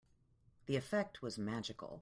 The effect was magical.